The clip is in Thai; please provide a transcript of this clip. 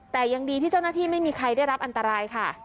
แต่ยังดีที่เจ้าหน้าที่ไม่มีใครได้รับอันตรายค่ะ